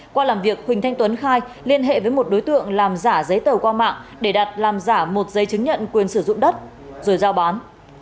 qua làm việc huỳnh thanh tuấn khai liên hệ với một đối tượng làm giả giấy tờ qua mạng để đặt làm giả một giấy chứng nhận quyền sử dụng đất rồi giao bán